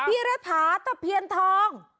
อภีรถาตะเพียนทอง